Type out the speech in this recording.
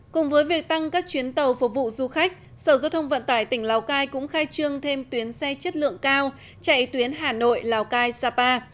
cùng với việc tăng các chuyến tàu phục vụ du khách sở giao thông vận tải tỉnh lào cai cũng khai trương thêm tuyến xe chất lượng cao chạy tuyến hà nội lào cai sapa